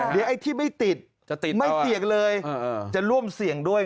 เดี๋ยวไอ้ที่ไม่ติดจะติดไม่เสี่ยงเลยจะร่วมเสี่ยงด้วย